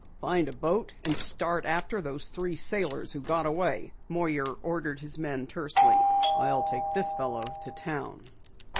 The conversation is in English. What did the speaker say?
"Find a boat and start after those three sailors who got away!" Moyer ordered his men tersely. "I'll take this fellow to town."